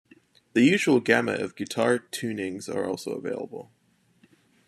The usual gamut of guitar tunings are also available.